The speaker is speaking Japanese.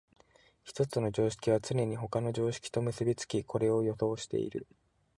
一つの常識はつねに他の常識と結び付き、これを予想している。